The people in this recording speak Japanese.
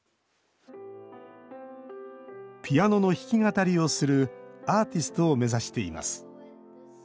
ピアノの弾き語りをするアーティストを目指しています。